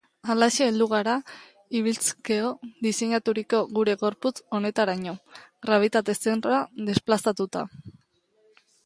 Halaxe heldu gara ibiltzkeo diseinaturiko gure gorputz honetaraino, grabitate zentroa desplazatuta.